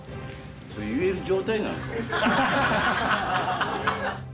言える状態なんか？